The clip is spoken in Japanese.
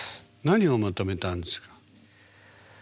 何を求めたんですか？